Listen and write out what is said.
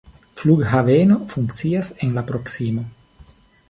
Flughaveno funkcias en la proksimo.